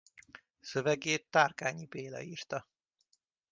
Szövegét Tárkányi Béla írta.